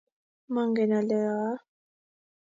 Mangen olegawa